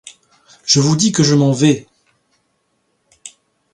Je vous dis que je m'en vais !